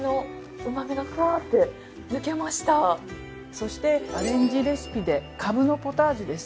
そしてアレンジレシピでカブのポタージュです。